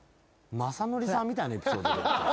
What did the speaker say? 雅紀さんみたいなエピソード。